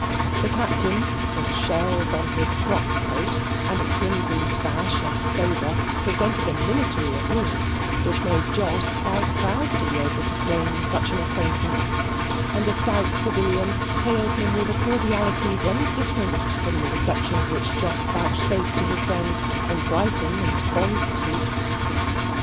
The Captain, with shells on his frockcoat, and a crimson sash and sabre, presented a military appearance, which made Jos quite proud to be able to claim such an acquaintance, and the stout civilian hailed him with a cordiality very different from the reception which Jos vouchsafed to his friend in Brighton and Bond Street.